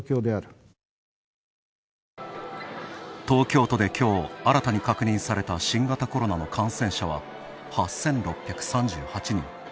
東京都できょう新たに確認された新型コロナの感染者は８６３８人。